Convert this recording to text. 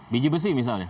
biji besi misalnya